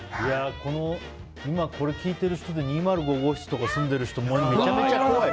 今これ聞いてる人で２０５号室とか住んでる人、めちゃめちゃ怖い。